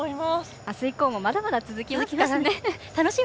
あす以降もまだまだ続きますから。